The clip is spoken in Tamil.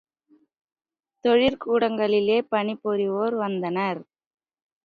தொழிற் கூடங்கிகளிலே பணிபுரிவோர் வந்தனர்.